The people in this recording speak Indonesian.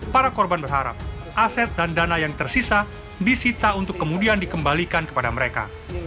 para korban berharap aset dan dana yang tersisa disita untuk kemudian dikembalikan kepada mereka